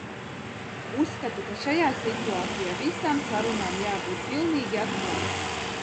Uzskatu, ka šajā situācijā visām sarunām jābūt pilnīgi atklātām.